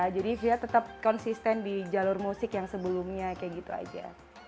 jadi fia tetap konsisten di jalur musik yang sebelumnya kayak gitu aja